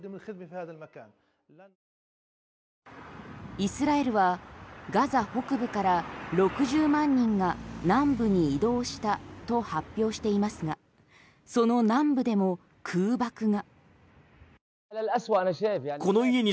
イスラエルはガザ北部から６０万人が南部に移動したと発表していますがその南部でも空爆が。